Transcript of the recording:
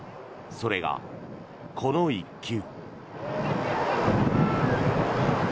それが、この１球。